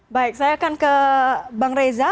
baik saya akan ke bang reza